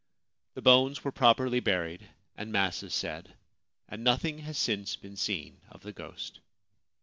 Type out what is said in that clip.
The bones were properly buried and masses said, and nothing has since been seen of the ghost.